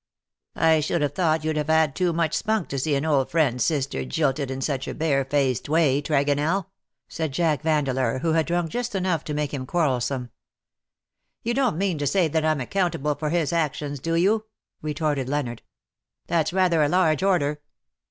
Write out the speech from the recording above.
'^ ^'I should have thought you'd have had too much spunk to see an old friend's sister jilted in '' WHO KNOWS NOT CIRCE ?" 273 such a barefaced way, Tregonell/^ said Jack Vandeleur, who had drunk just enough to make him quarrelsome. " You don^t mean to say that I^m accountable for his actions,, do you ?" retorted Leonard. " That^s rather a large order."